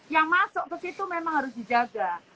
yang masuk ke situ memang harus dijaga